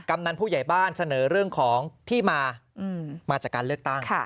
กำนันผู้ใหญ่บ้านเสนอเรื่องของที่มามาจากการเลือกตั้ง